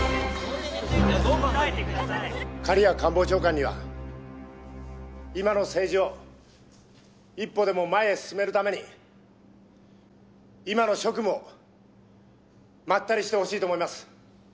「狩屋官房長官には今の政治を一歩でも前へ進めるために今の職務をまったりしてほしいと思います」